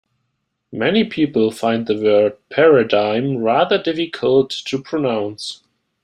Many people find the word paradigm rather difficult to pronounce